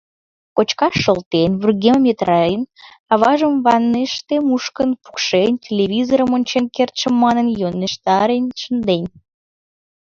Кочкаш шолтен, вургемым йытыраен, аважым ванныйыште мушкын, пукшен, телевизорым ончен кертше манын, йӧнештарен шынден.